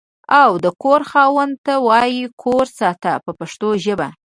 او د کور خاوند ته وایي کور ساته په پښتو ژبه.